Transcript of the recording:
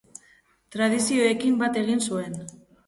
Tradizioekin bat egin zuen.